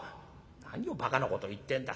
「何をばかなこと言ってんだ。